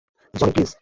Johnny, please!